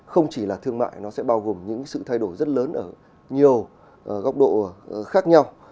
không chỉ là thương mại nó sẽ bao gồm những sự thay đổi rất lớn ở nhiều góc độ khác nhau